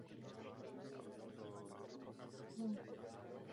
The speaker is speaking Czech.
Přesně tyto pocity nepřátelství zajistily Mugabemu setrvání u moci.